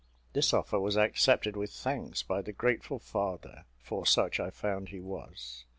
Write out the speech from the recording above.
This offer was accepted with thanks by the grateful father, for such I found he was.